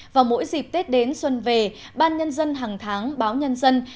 vào mỗi dịp tết đến xuân về ban nhân dân hàng tháng báo nhân dân